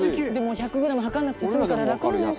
１００グラム量らなくて済むから楽なのよ